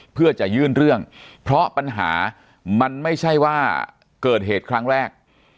เพื่อจะยื่นเรื่องเพราะปัญหามันไม่ใช่ว่าเกิดเหตุครั้งแรก